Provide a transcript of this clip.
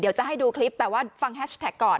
เดี๋ยวจะให้ดูคลิปแต่ว่าฟังแฮชแท็กก่อน